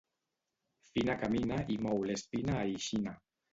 Fina camina i mou l'espina aixina